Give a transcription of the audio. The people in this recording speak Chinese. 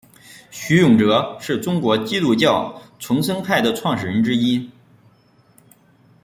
徐永泽是中国基督教重生派的创始人之一。